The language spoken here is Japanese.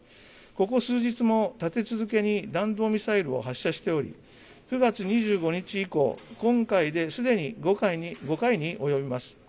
ここ数日も立て続けに弾道ミサイルを発射しており、９月２５日以降、今回ですでに５回に及びます。